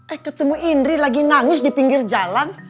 eh ketemu indri lagi nangis di pinggir jalan